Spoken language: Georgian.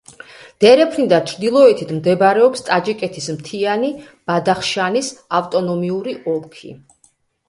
დერეფნიდან ჩრდილოეთით მდებარეობს ტაჯიკეთის მთიანი ბადახშანის ავტონომიური ოლქი.